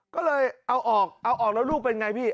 ก็เลยเอาออกแล้วลูกเป็นอย่างไรพี่